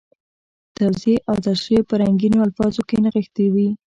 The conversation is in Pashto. توضیح او تشریح په رنګینو الفاظو کې نغښتي وي.